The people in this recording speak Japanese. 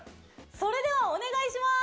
それではお願いします